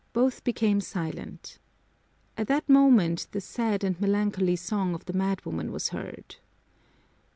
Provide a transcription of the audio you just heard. Both became silent. At that moment the sad and melancholy song of the madwoman was heard.